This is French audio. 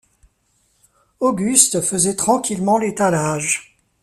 Auguste faisait tranquillement l’étalage.